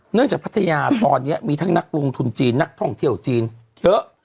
จากพัทยาตอนนี้มีทั้งนักลงทุนจีนนักท่องเที่ยวจีนเยอะ